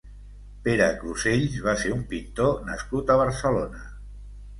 Pere Crusells va ser un pintor nascut a Barcelona.